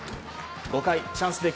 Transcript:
５回、チャンスで